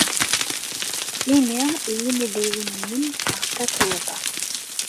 Ini i yimidiwen-nnem ɣef Tatoeba.